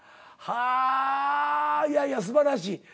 はあいやいやすばらしい。